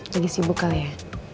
lagi sibuk kali ya